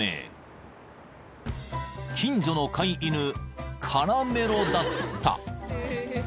［近所の飼い犬カラメロだった］